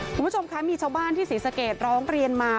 คุณผู้ชมคะมีชาวบ้านที่ศรีสะเกดร้องเรียนมา